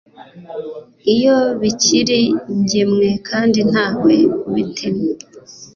iyo bikiri ingemwe kandi nta we ubitemye